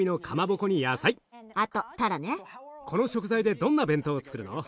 この食材でどんな弁当をつくるの？